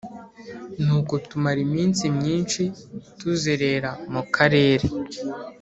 Nuko tumara iminsi myinshi tuzerera mu karere